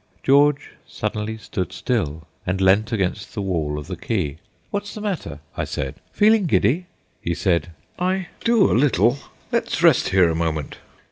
George suddenly stood still and leant against the wall of the quay. "What's the matter?" I said; "feeling giddy?" He said: "I do, a little. Let's rest here a moment."